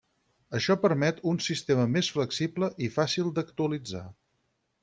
Això permet un sistema més flexible i fàcil d'actualitzar.